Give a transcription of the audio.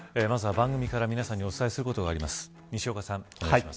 まずは番組から皆さんにお伝えすることがあります。